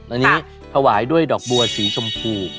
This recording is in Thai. อันนี้ถวายด้วยดอกบัวสีชมพู